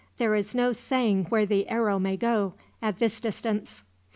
There is no saying where the arrow may go, at this distance."